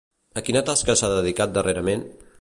A quina tasca s'ha dedicat darrerament?